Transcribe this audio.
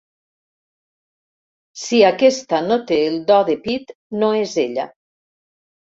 Si aquesta no té el do de pit no és ella.